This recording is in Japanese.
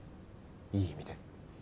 いい意味で。